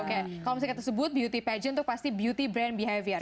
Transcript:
kalau misalnya tersebut beauty pageant itu pasti beauty brand behavior